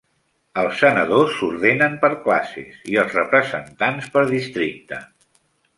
Els senadors s'ordenen per classes i els representants per districte.